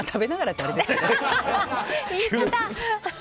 言い方。